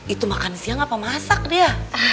itu makan siang apa masak dia